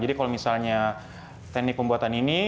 jadi kalau misalnya teknik pembuatan ini